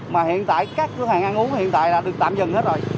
mà hiện tại các hàng ăn uống hiện tại là được tạm dần hết rồi